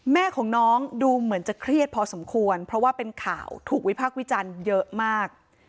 แม่ของน้องดูเหมือนจะเครียดพอสมควรเพราะว่าเป็นข่าวถูกวิพากษ์วิจารณ์เยอะมาก